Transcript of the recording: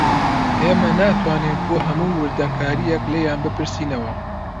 ئێمە ناتوانین بۆ هەموو وردەکارییەک لێیان بپرسینەوە